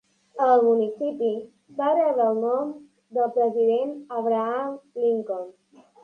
El municipi va rebre el nom del president Abraham Lincoln.